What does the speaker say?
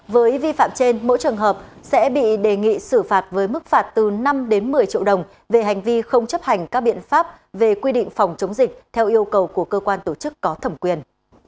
với vi phạm trên mỗi trường hợp sẽ bị đề nghị xử phạt với mức phạt từ năm đến một mươi triệu đồng về hành vi không chấp hành các biện pháp về quy định phòng chống dịch theo yêu cầu của cơ quan tổ chức có thẩm quyền